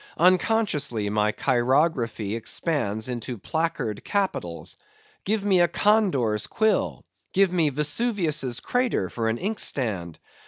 Unconsciously my chirography expands into placard capitals. Give me a condor's quill! Give me Vesuvius' crater for an inkstand!